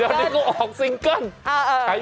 เดี๋ยวนี้เขาออกซิงเกิ้ล